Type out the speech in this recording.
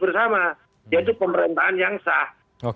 bersama yaitu pemerintahan yang sah